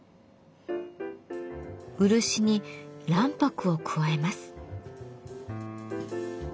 漆に卵白を加えます。